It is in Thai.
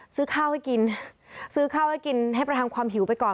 ซื้อข้าวให้กินซื้อข้าวให้กินให้ประทังความหิวไปก่อน